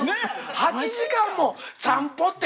８時間も散歩って！